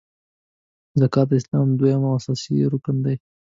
زکات د اسلام دریم او اساسې رکن دی .